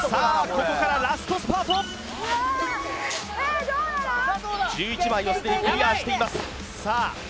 ここからラストスパート１１枚をすでにクリアしていますさあ